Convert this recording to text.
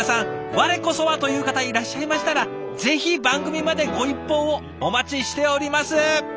我こそは！という方いらっしゃいましたらぜひ番組までご一報をお待ちしております！